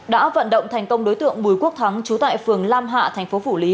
đã vận động thành công đối tượng bùi quốc thắng trú tại phường lam hạ thành phố phủ lý